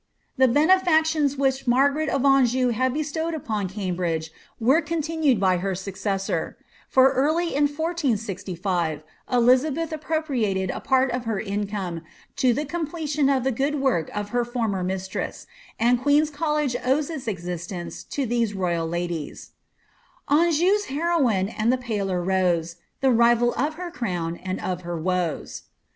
*he benedictions which Margaret of Anjou had bestowed upon Ca|n Ige were continued by her successor; for early in 1465 Elizabeth ropriated a part of her income to the completion of the good work ler former mistress, and Queen's College owes its existence to these il ladies— Anjou*8 heroine and the paler Rose, The rival of her crown and of her woes.